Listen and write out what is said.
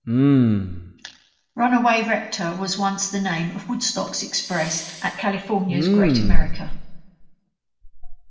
Runaway Reptar was once the name of Woodstock's Express at California's Great America.